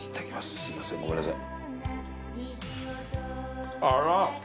すいませんごめんなさい。